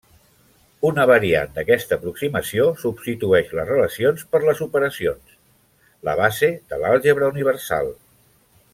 Una variant d'aquesta aproximació substitueix les relacions per les operacions, la base de l'àlgebra universal.